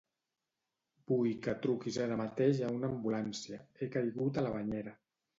Vull que truquis ara mateix a una ambulància; he caigut a la banyera.